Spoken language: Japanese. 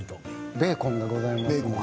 ベーコンがございます。